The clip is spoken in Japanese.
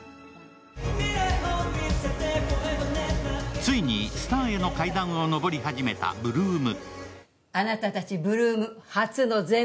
ついにスターへの階段を上り始めた８ＬＯＯＭ。